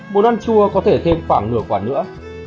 món ăn chua có thể thêm khoảng nửa quả nữa